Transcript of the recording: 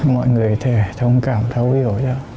mọi người thề thông cảm thấu hiểu